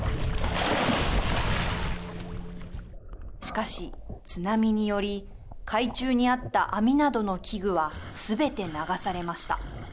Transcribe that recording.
しかし、津波により海中にあった網などの器具はすべて流されました。